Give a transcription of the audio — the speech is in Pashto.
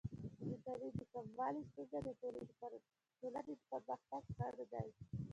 د تعلیم د کموالي ستونزه د ټولنې د پرمختګ خنډ دی.